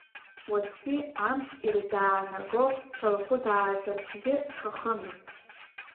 Уаҵәтәи амш ирзаанаго салхәыдаазарцгьы схахымызт.